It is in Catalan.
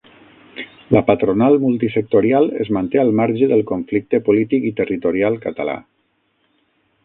La patronal multisectorial es manté al marge del conflicte polític i territorial català